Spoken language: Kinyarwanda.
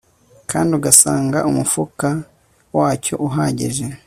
Kandi ugasanga umufuka wacyo uhagije